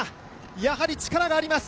やはり力があります。